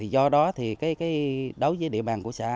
do đó đối với địa bàn của xã